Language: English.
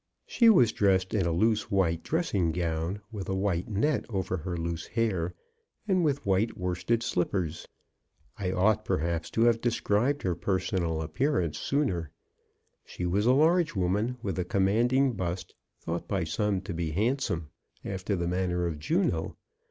She was dressed in a loose white •» MRS. BROWNS SUCCESS. II dressing gown, with a white net over her loose hair, and with white worsted sUppers. I ought, perhaps, to have described her personal appear ance sooner. She was a large woman with a commanding bust, thought by some to be handsome, after the manner of Juno.